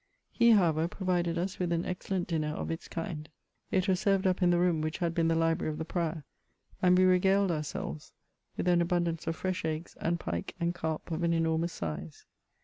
He, however, provided us with an excellent dinner of its kind : it was served up in the room which had been the library of the Prior, and we regaled ourselves with an abundance of fresh eggs, and pike and carp of an enormous size.